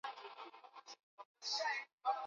katika maeneo ya vijijini ya msituni taarifa ambazo